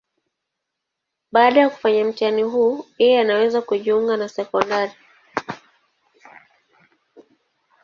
Baada ya kufanya mtihani huu, yeye anaweza kujiunga na sekondari.